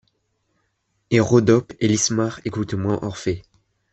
Et Rhodope et l'Ismare écoutent moins Orphée.